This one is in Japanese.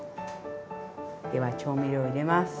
では調味料入れます。